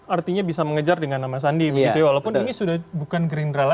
artinya bisa mengejar dengan nama sandi begitu ya